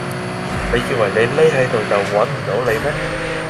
你以為你匿喺度就搵唔到你咩